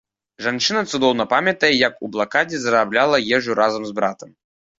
Жанчына цудоўна памятае, як у блакадзе зарабляла ежу разам з братам.